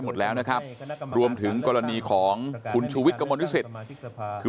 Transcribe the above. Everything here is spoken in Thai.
หมดแล้วนะครับรวมถึงกรณีของคุณชูวิทย์กระมวลวิสิตคือ